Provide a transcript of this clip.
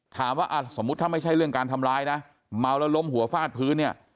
ถามว่าสมมุติถ้าไม่ใช่เรื่องการทำร้ายนะเมาแล้วล้มหัวฟาดพื้นเนี่ย